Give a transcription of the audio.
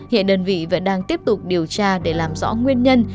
hiện đơn vị vẫn đang tiếp tục điều tra để làm rõ nguyên nhân